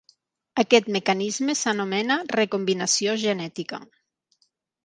Aquest mecanisme s'anomena recombinació genètica.